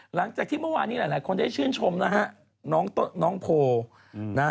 หลังจากที่เมื่อวานเคยหลายคนได้ชื่นชมน้องโพล